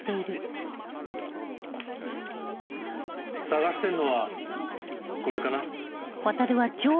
探してるのはこれかな？